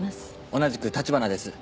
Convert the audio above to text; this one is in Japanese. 同じく立花です。